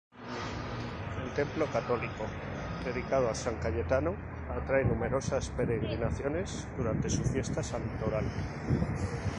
El templo católico dedicado a San Cayetano atrae numerosas peregrinaciones durante su fiesta santoral.